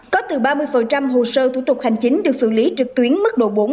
có từ ba mươi hồ sơ thủ tục hành chính được xử lý trực tuyến mức độ bốn